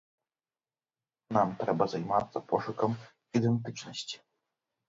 Нам трэба займацца пошукам ідэнтычнасці.